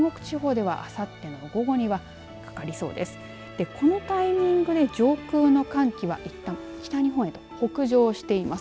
このタイミングで上空の寒気はいったん北日本へと北上しています。